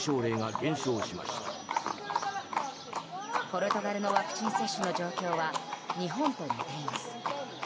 ポルトガルのワクチン接種の状況は日本と似ています。